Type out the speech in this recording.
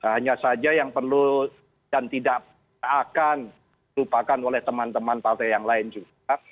hanya saja yang perlu dan tidak akan lupakan oleh teman teman partai yang lain juga